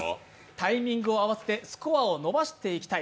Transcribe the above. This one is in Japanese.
タイミングを合わせてスコアを伸ばしていきたい。